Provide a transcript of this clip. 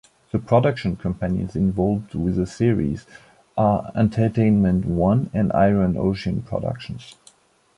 The production companies involved with the series are Entertainment One and Iron Ocean Productions.